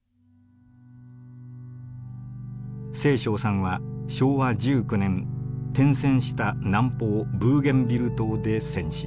盛松さんは昭和１９年転戦した南方ブーゲンビル島で戦死。